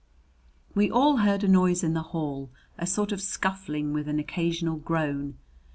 We all heard a noise in the hall a sort of scuffling, with an occasional groan.